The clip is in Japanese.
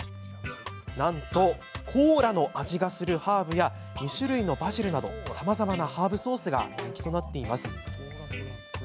コーラの味がするハーブや２種類のバジルなどさまざまなハーブソースが人気です。